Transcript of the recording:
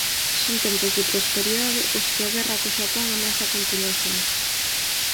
Son tempos de prosperidade ós que a guerra co Xapón ameaza con poñer fin.